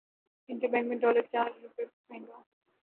inter bank میں dollar چار روپے مہنگا